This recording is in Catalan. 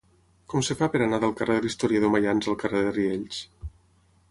Com es fa per anar del carrer de l'Historiador Maians al carrer de Riells?